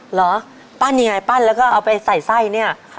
เหรอปั้นยังไงปั้นแล้วก็เอาไปใส่ไส้เนี่ย